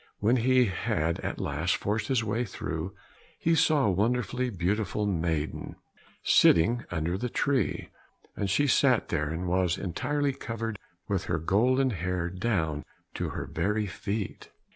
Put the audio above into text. When he had at last forced his way through, he saw a wonderfully beautiful maiden sitting under the tree; and she sat there and was entirely covered with her golden hair down to her very feet.